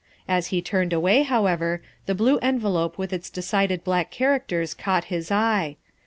As he turned away, however, the blue envelope with its decided black characters caught his eye.